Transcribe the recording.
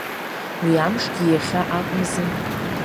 Уи амшгьы иахьа акәымзи…